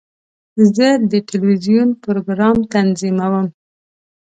زه د ټلویزیون پروګرام تنظیموم.